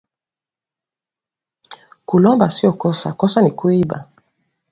Kulomba siyo kosa kosa ni kuiba